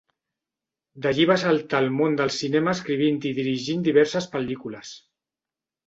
D'allí va saltar al món del cinema escrivint i dirigint diverses pel·lícules.